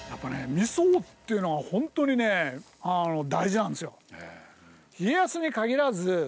みそっていうのは本当にねあの大事なんですよ。